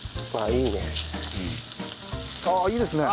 いいですね。